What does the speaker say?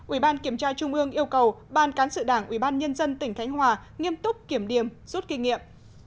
ubnd yêu cầu ban cán sự đảng ubnd tỉnh khánh hòa nghiêm túc kiểm điểm rút kinh nghiệm